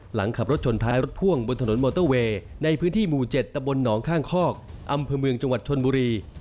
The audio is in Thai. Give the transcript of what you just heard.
หลังขับรถชนท้ายรถพ่วงบนถนนมอเตอร์เวย์ในพื้นที่หมู่๗ตะบนหนองข้างคอกอำเภอเมืองจังหวัดชนบุรี